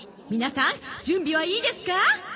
皆さん準備はいいですか？